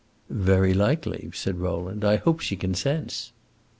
"Very likely," said Rowland. "I hope she consents."